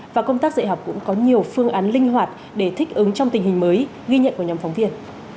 và công tác dạy học cũng có nhiều phương án linh hoạt để thích ứng trong tình hình mới ghi nhận của nhóm phóng viên